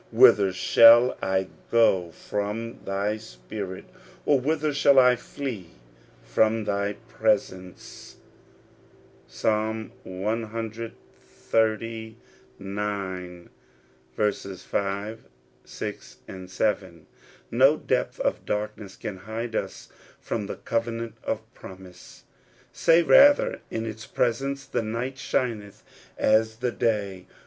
Whither shall I go from thy spirit? Or whither shall I flee from thy presence?" (Psalm cxxxix. 5,6,7.) No depth of darkness can hide us from the covenant of promise ; say, rather, in its presence the night shineth as the day.